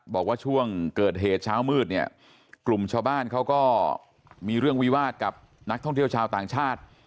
บอกว่าช่วงเกิดเหตุเช้ามืดเนี่ยกลุ่มชาวบ้านเขาก็มีเรื่องวิวาสกับนักท่องเที่ยวชาวต่างชาติ